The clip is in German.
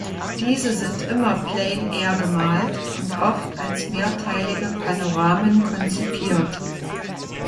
Diese sind immer plein-air gemalt und oft als mehrteilige Panoramen konzipiert.